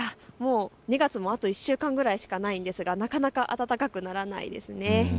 ２月もあと１週間くらいしかないんですが、なかなか暖かくならないですね。